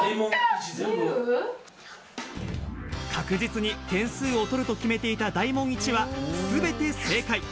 確実に点数を取ると決めていた大問１は、全て正解。